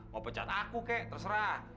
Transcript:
mau pecat aku kek terserah